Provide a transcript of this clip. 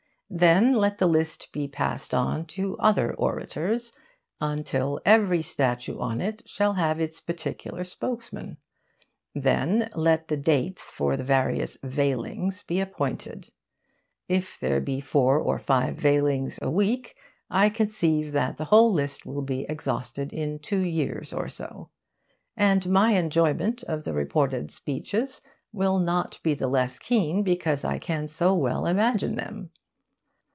Then let the list be passed on to other orators, until every statue on it shall have its particular spokesman. Then let the dates for the various veilings be appointed. If there be four or five veilings every week, I conceive that the whole list will be exhausted in two years or so. And my enjoyment of the reported speeches will not be the less keen because I can so well imagine them....